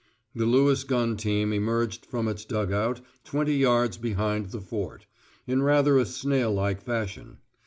The Lewis gun team emerged from its dug out twenty yards behind the Fort, in rather a snail like fashion.